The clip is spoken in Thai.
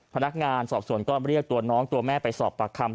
พนักงานสอบสวนก็เรียกตัวน้องตัวแม่ไปสอบปากคำ